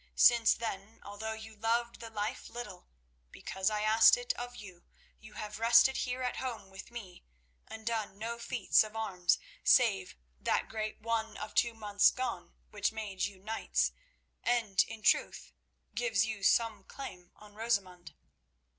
Since then, although you loved the life little, because I asked it of you, you have rested here at home with me, and done no feats of arms, save that great one of two months gone which made you knights, and, in truth, gives you some claim on Rosamund.